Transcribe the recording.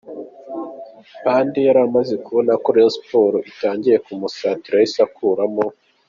Mphande yari amaze kubona ko Rayon Sports itangiye kumusatira, yahise akuramo